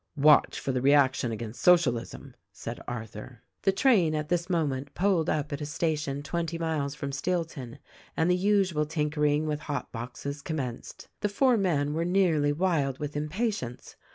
"Watch for the reaction against Socialism," said Arthur. The train at this moment pulled up at a station twenty miles from Steelton, and the usual tinkering with hot boxes commenced. The four men were nearly wild with impa tience.